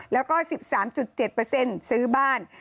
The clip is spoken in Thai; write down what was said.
แล้วก็๑๓๗ซื้อบ้าน